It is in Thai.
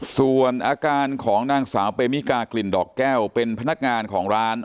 ส่วนอาการของนางสาวเปมิกากลิ่นดอกแก้วเป็นพนักงานของร้าน